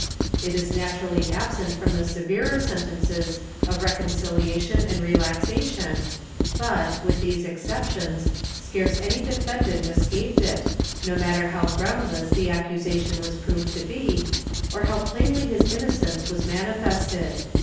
It is naturally absent from the severer sentences of reconciliation and relaxation but, with these exceptions, scarce any defendant escaped it, no matter how groundless the accusa tion was proved to be, or how plainly his innocence was mani fested.